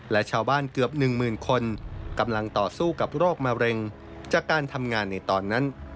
และชาวบ้านเกือบหนึ่งหมื่นคนกำลังต่อสู้กับโรคมะเร็งจากการทำงานในตอนนั้น